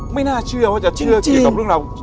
ไม่น่าเชื่อว่าจะเชื่อที่เกี่ยวกับ